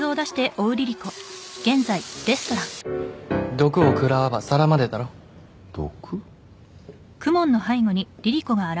毒を食らわば皿までだろ毒？